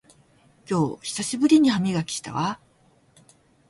今日久しぶりに歯磨きしたわ